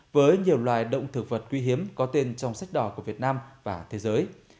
với nhiều loài động thực vật quý hiếm có tên trong sách đỏ của việt nam và thế giới